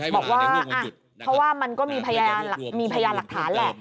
บอกว่าเพราะว่ามันก็มีพยานหลักฐานแหละ